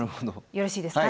よろしいですか？